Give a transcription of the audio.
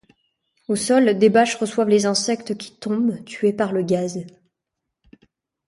Au sol, des bâches reçoivent les insectes qui tombent, tués par le gaz.